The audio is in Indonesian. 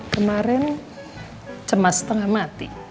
kemarin cemas setengah mati